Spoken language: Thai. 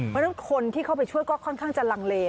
เพราะฉะนั้นคนที่เข้าไปช่วยก็ค่อนข้างจะลังเล